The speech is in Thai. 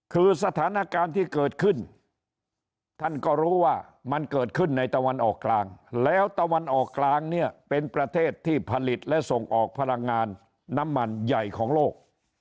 คือสถานการณ์ที่เกิดขึ้นท่านก็รู้ว่ามันเกิดขึ้นในตะวันออกกลางแล้วตะวันออกกลางเนี่ยเป็นประเทศที่ผลิตและส่งออกพลังงานน้ำมันใหญ่ของโลก